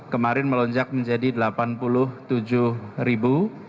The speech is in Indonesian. kemarin melonjak menjadi delapan puluh tujuh ribu